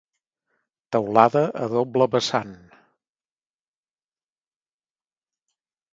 Teulada a doble vessant.